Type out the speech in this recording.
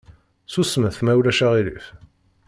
Susmet ma ulac aɣilif!